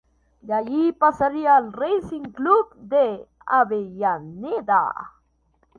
De allí pasaría al Racing Club de Avellaneda.